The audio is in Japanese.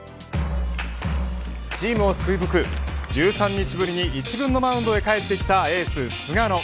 チームを救うべく１３日ぶりに１軍のマウンドへ帰ってきたエース菅野。